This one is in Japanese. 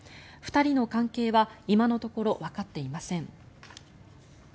２人の関係は今のところわかっていません。